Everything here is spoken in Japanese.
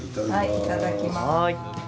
いただきます。